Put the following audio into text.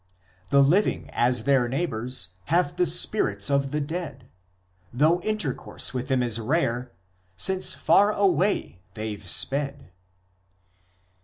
The living as their neighbours have the spirits of the dead, Though intercourse with them is rare, since far away they ve sped."